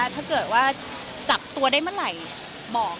ถ้าเกิดว่าจับตัวได้เมื่อไหร่บอก